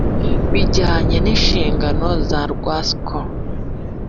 Bijyanye n inshingano za rwasco